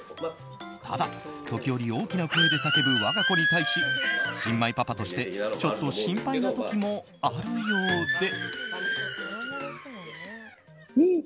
ただ、時折大きな声で叫ぶ我が子に対し新米パパとしてちょっと心配な時もあるようで。